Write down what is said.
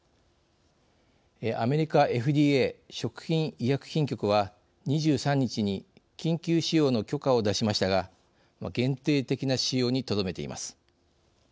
アメリカＦＤＡ、食品医薬品局は２３日に緊急使用の許可を出しましたが限定的な使用にとどめています。